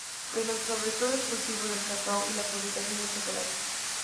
Pero sobre todo el cultivo del cacao y la fabricación del chocolate.